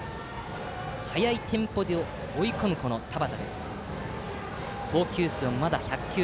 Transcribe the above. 速いテンポで追い込む田端です。